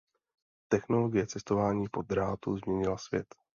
Technologie cestování po Drátu změnila svět.